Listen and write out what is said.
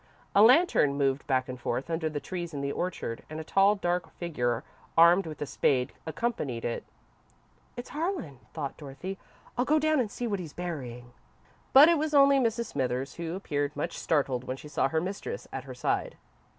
A lantern moved back and forth under the trees in the orchard, and a tall, dark figure, armed with a spade, accompanied it. "It's Harlan," thought Dorothy. "I'll go down and see what he's burying." But it was only Mrs. Smithers, who appeared much startled when she saw her mistress at her side.